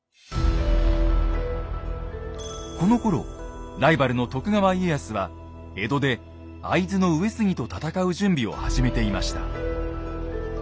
このころライバルの徳川家康は江戸で会津の上杉と戦う準備を始めていました。